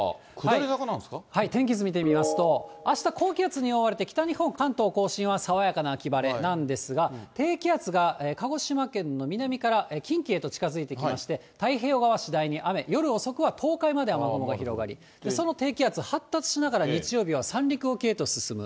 天気図見てみますと、あす高気圧に覆われて、あした関東甲信は爽やかな秋晴れなんですが、低気圧が鹿児島県の南から近畿へと近づいてきまして、太平洋側は次第に雨、夜遅くは東海まで雨雲が広がり、その低気圧、発達しながら、日曜日は三陸沖へと進む。